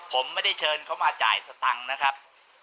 ผมไม่ได้เชิญเขามาจ่ายสตังค์นะครับ